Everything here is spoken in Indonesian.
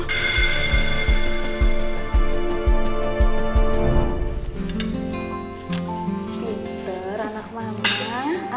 tister anak mama